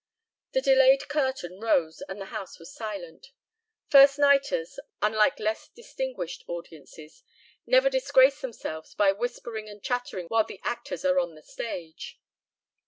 The delayed curtain rose and the house was silent. First nighters, unlike less distinguished audiences, never disgrace themselves by whispering and chattering while the actors are on the stage.